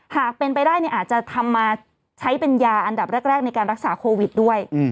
หากเป็นไปได้อาจจะทำมาใช้เป็นยาอันดับแรกในการรักษาโควิดด้วย